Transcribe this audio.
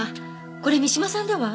これ三島さんだわ！